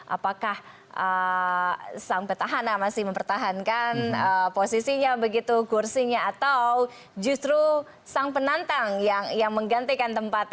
apakah sang petahana masih mempertahankan posisinya begitu kursinya atau justru sang penantang yang menggantikan tempatnya